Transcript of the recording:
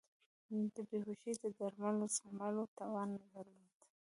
د بیهوشۍ د درملو د زغملو توان نه درلود.